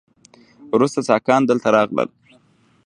وروسته ساکان دلته راغلل